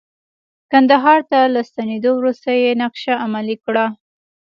کندهار ته له ستنیدو وروسته یې نقشه عملي کړه.